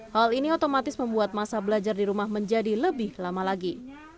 hal ini otomatis membuat masa belajar di rumah menjadi lebih lama lagi